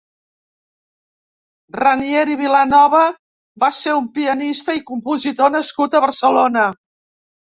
Ranieri Vilanova va ser un pianista i compositor nascut a Barcelona.